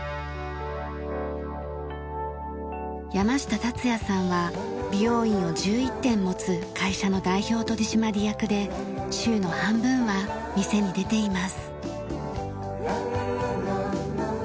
山下達也さんは美容院を１１店持つ会社の代表取締役で週の半分は店に出ています。